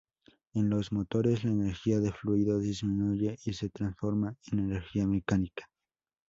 En los motores, la energía de fluido disminuye y se transforma en energía mecánica.